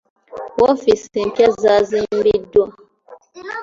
Woofiisi empya zaazimbiddwa.